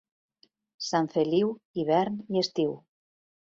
Sant Feliu, hivern i estiu.